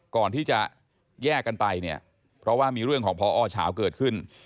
ก่อนที่จะแยกกันไปเนี่ยเพราะว่ามีเรื่องของพอเฉาเกิดขึ้น